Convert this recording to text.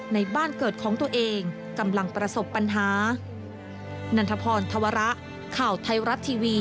ในบ้านเกิดของตัวเองกำลังประสบปัญหา